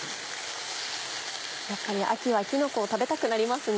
やっぱり秋はきのこを食べたくなりますね。